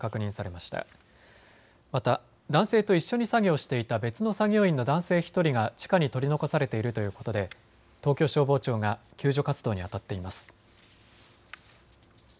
また男性と一緒に作業していた別の作業員の男性１人が地下に取り残されているということで東京消防庁が救助活動にあたっています。